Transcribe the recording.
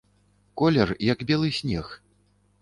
Колер, як белы снег.